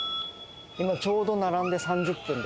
今ちょうど並んで３０分です。